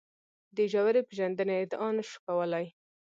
د ژورې پېژندنې ادعا نه شو کولای.